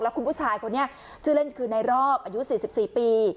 แล้วคุณผู้ชายคนนี้ชื่อเล่นคือไนรอกอายุสี่สิบสี่ปี